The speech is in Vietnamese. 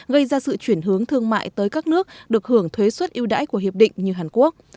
gây ra sự chuyển hướng thương mại tới các nước được hưởng thuế xuất yêu đãi của hiệp định như hàn quốc